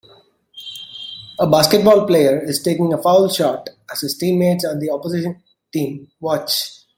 A basketball player is taking a foul shot as his teammates and the opposing team watch.